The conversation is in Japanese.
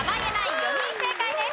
４人正解です。